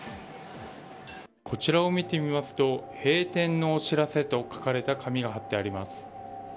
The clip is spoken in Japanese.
こちらを見てみますと閉店のお知らせと書かれた紙が貼ってあります。